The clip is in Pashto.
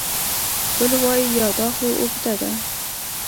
بل وای دا یا خو اوږده ده